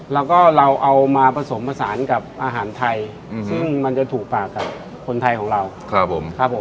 แล้วก็เราเอามาผสมผสานกับอาหารไทยซึ่งมันจะถูกปากกับคนไทยของเราครับผมครับผม